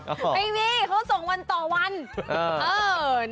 ไม่มีเขาส่งวันต่อวัน